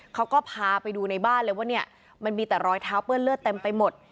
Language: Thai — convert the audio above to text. เขาก็พาไปดูในบ้านเลยว่าเนี่ยมันมีแต่รอยเท้าเปื้อนเลือดเต็มไปหมด